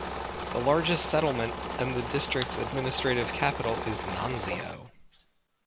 The largest settlement and the district's administrative capital is Nansio.